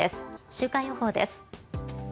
週間予報です。